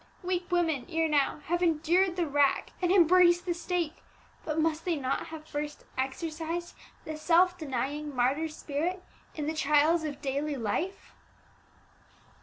Weak women, ere now, have endured the rack and embraced the stake; but must they not have first exercised the self denying martyr spirit in the trials of daily life?"